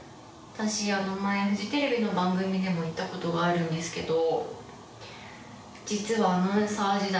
私前フジテレビの番組でも言った事があるんですけど。